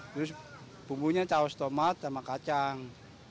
terus bumbunya caos tomat sama kacang